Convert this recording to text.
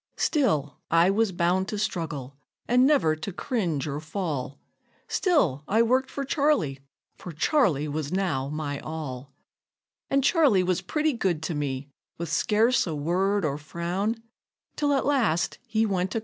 Still I was bound to struggle, an' never to cringe or fall Still I worked for Charley, for Charley was now my all; And Charley was pretty good to me, with scarce a word or frown, Till at last he went a courtin', and brought a wife from town.